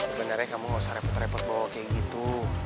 sebenarnya kamu gak usah repot repot bawa kayak gitu